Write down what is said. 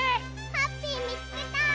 ハッピーみつけた！